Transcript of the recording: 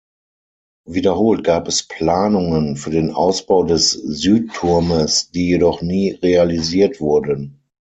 Wiederholt gab es Planungen für den Ausbau des Südturmes, die jedoch nie realisiert wurden.